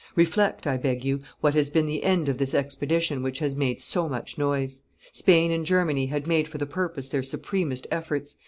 Reflect, I beg you, what has been the end of this expedition which has made so much noise. Spain and Germany had made for the purpose their supremest efforts.